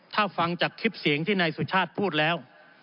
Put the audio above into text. ถ้าฟังจากคลิปเสียงที่นายสุชาติพูดแล้ว